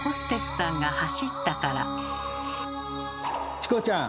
チコちゃん！